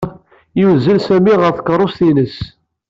Yuzzel Sami ɣer tkeṛṛust-nnes.